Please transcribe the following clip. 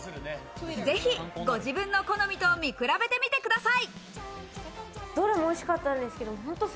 ぜひご自分の好みと見比べてみてください。